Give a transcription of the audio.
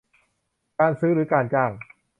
การซื้อหรือการจ้าง